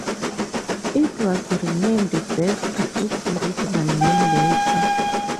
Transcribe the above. It was renamed back to its original name later.